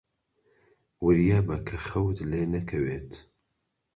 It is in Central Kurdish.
وریابە کە خەوت لێ نەکەوێت.